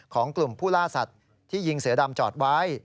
ของกลุ่มผู้ล่าสัตว์ที่ยิงเสือดำจอดไว้